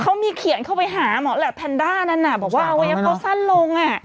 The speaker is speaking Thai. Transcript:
เขามีเขียนเข้าไปหาหมอแหลดแพนด้านั่นบอกว่าเอาไว้เอาสั้นลง